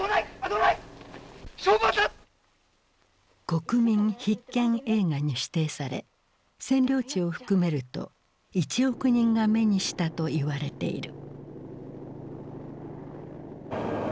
国民必見映画に指定され占領地を含めると１億人が目にしたといわれている。